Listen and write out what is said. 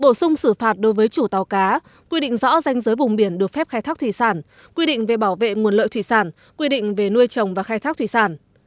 bổ sung xử phạt đối với chủ tàu cá quy định rõ danh giới vùng biển được phép khai thác thủy sản quy định về bảo vệ nguồn lợi thủy sản quy định về nuôi trồng và khai thác thủy sản